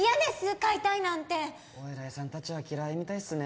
解体なんてお偉いさん達は嫌いみたいですね